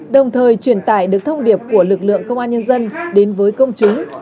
đồng thời truyền tải được thông điệp của lực lượng công an nhân dân đến với công chúng